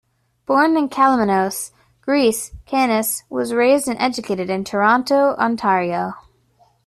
Born in Kalymnos, Greece, Cannis was raised and educated in Toronto, Ontario.